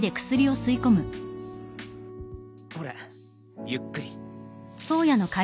ほらゆっくり。